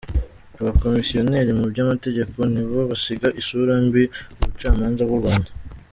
Abakomisiyoneri mu by’amategeko nib o basiga isura mbi ubucamanza bw’u Rwanda.